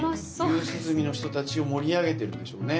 夕涼みの人たちを盛り上げてるんでしょうね。